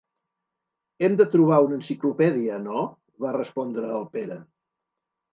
Hem de trobar una enciclopèdia, no? —va respondre el Pere.